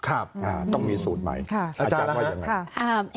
อาจารย์ก็ยังไง